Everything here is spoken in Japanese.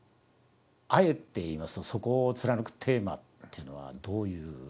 あえて言いますとそこを貫くテーマというのはどういうことなんでしょうか？